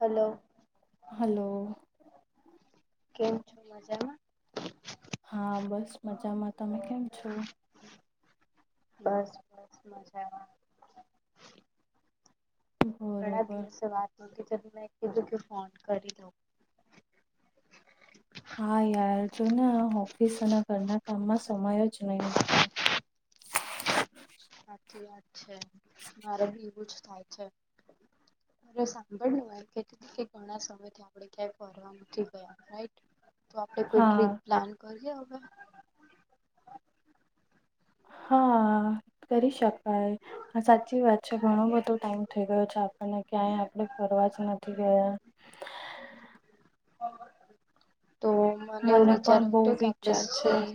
Hello hello કેમ છો મજામાં? હા બસ મજામાં. તમે કેમ છો? બસ બસ મજામાં. ઘણા બરોબર દિવસે વાત નોતી કરી મે કીધું કે ફોન કરી લઉ. હા યાર જો ને આ હોફિસ અને ઘરના કામમાં સમય જ નહીં. હાચ્ચી વાત છે. મારે બી એવું જ થાય છે. અરે! સાંભળને હું એમ કેતીતી કે ઘણા સમયથી આપડે ક્યાંય ફરવા નથી ગયા. રાઈટ? તો આપણે કોઈ હા ટ્રીપ પ્લાન કરીએ હવે? હા કરી શકાય. હા સાચી વાત છે ઘણો બધો ટાઈમ થઈ ગયો છે આપણને ક્યાંય આપણે ફરવા જ નથી ગયા. [inaudible] તો મને એવો વિચાર પણ બહુ હતો કે આપણે વિચાર છે સી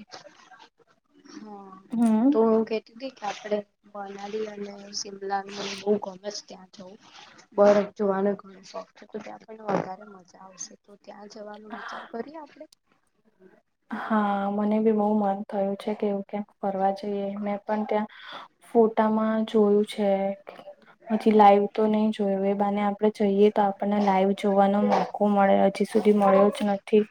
હા. હમ તો હું કેતીતી કે આપડે મનાલી અને સિમલા મને બહુ ગમે છે ત્યાં જવું. બરફ જોવાનો એ ઘણો શોખ છે તો ત્યાં આપણને વધારે મજા આવશે. તો ત્યાં જવાનો વિચાર કરીએ આપડે? હા મને બી બહુ મન થયું છે કે એવું ક્યાંક ફરવા જઈએ મેં પણ ત્યાં ફોટામાં જોયું છે. [inaudible] પછી લાઈવ તો નહી જોયું એ બાને આપડે જઈએ તો આપણને લાઈવ જોવાનો મોક કો મળે હજી સુધી મળ્યો જ નથી.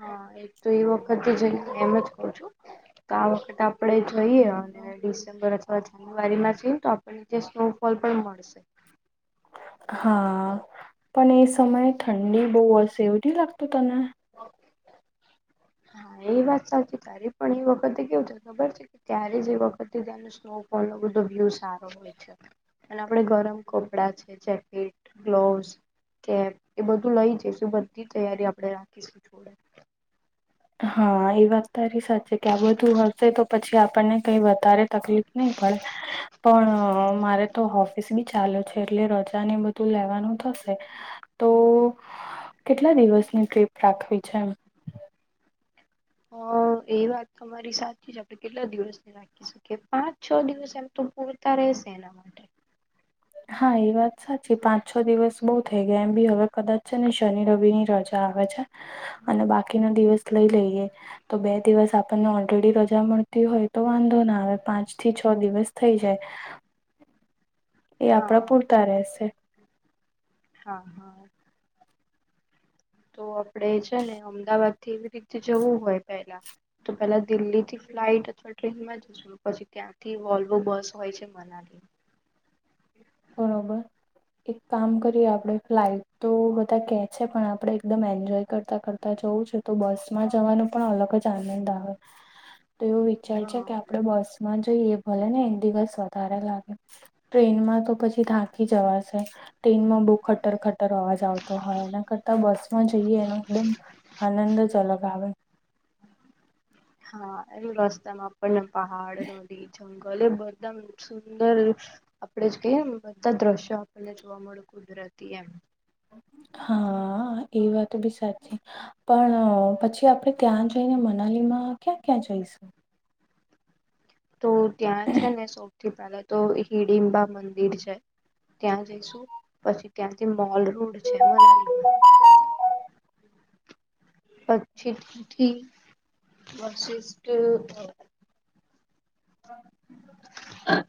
હા એક તો એ વખતે જઈને એમ જ કઉ છું. તો આ વખત આપડે જોઈએ અને ડિસેમ્બર અથવા જાન્યુઆરીમાં જઈએ તો આપ અન નીચે સ્નોફોલ પણ મળશે. હા. પણ એ સમયે ઠંડી બહુ હશે એવું નહીં લાગતું તને? [inaudible] હા એ વાત સાચી તારી પણ એ વખતે કેવું થાય ખબર છે કે ત્યારે જ એ વખતે [unintelligible] સ્નોફોલનો બધો વ્યુ સારો હોય છે. અને આપડે ગરમ કપડા છે જેકેટ, ગ્લોવસ કેમ એ બધું લઈ જઈશું બધ્ધી તૈયારી આપણે રાખીશું જોડે હા એ વાત તારી સાચી છે કે આ બધું હશે તો પછી આપણને કઈ વધારે તકલીફ નહીં પણ પણ મારે તો હોફિસ બી ચાલે છે એટલે રજાને બધ ધું લેવાનું થશે. તો કેટલા દિવસની ટ્રીપ રાખવી છે એમ? હહ એ વાત તમારી સાચી છે આપડે કેટલા દિવસની બાકી શું કે પાંચ છ દિવસ એમ તો પૂરતા રહેશે એના માટે. હા એ વાત સાચી. પાંચ છ દિવસ બહુ થઈ ગયા એમ બી હવે કદાચ છે ને શનિ રવિની રજ જા આવે છે. અને બાકીના દિવસ લઈ લઈએ. તો બે દિવસ આપણને ઓલરેડી રજા મળતી હોય તો વાંધો ના આવે. પાંચ થી છ દિવસ થઈ જાય. એ આપણા હા પૂરતા રહેશે હા હા તો આપડે છે ને અમદાવાદ થી એવી રીતે જવું હોય પહેલા તો પેલા દિલ્હીથી ફ્લાઇટ અથવા ટ્રેનમાં જસુ પછી ત્યાંથી વોલ્વો બસ હોય છે મનાલી બરોબર એક કામ કરીએ આપડે ફ્લાઇટ તો બધા કે છે પણ આપડે એકદમ એન્જોય કરતા કર તા જવું છે તો બસ માં જવાનો પણ અલગ જ આનંદ આવે [inaudible] તો એવું વિચાર છે હા કે આપડે બસ જોઈ એ ભલે ને એક દિવસ વધારે લાગે ટ્રેનમાં તો પછી થાંકી જવાશે ટ્રેનમાં બહુ ખટર ખટર અવાજ આવતો હોય એના કરતા બસમાં જઈએ એનો એકદમ આનંદ જલગ આવે હા એ રસ્તા માં આપણને પહાડ ની જ ભલે બધા સુંદર આપડે કે બધા દ્રશ્યો આપણને જોવા મળે કુદરતી એમ હા એ વાત ભી સાચ છે પણ પછી આપણે ત્યાં જઈને મનાલી માં ક્યાં ક્યાં જઈશું તો ત્યાં છે ને સૌથી પહેલા તો હિડીિમબા મંદિર છે ત્યાં જઈશું પછી ત્યાંથી મોલ રોડ છે મનાલીમાં પછીથી વશિષ્ટ હ